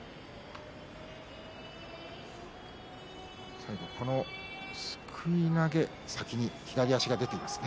最後すくい投げ先に左足が出ていますね。